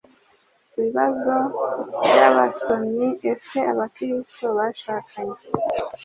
Ibibazo by abasomyi Ese Abakristo bashakanye